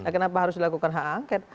kenapa harus dilakukan haangket